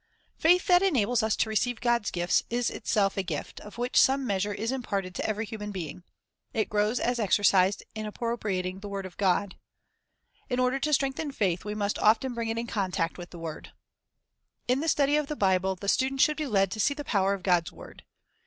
Faith that enables us to receive God's gifts is itself a gift, of which some measure is imparted to every human being. It grows as exercised in appropriating *Luke 8; II. U'53> 54 C 7/ a racier B u tiding Power of God's Word Results of Faith the word of God. In order to strengthen faith, we must often bring it in contact with the word. In the study of the Bible the student should be led to see the power of God's word.